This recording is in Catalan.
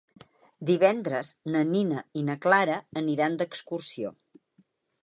Divendres na Nina i na Clara aniran d'excursió.